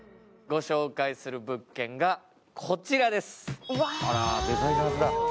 ご紹介する物件が、こちらです。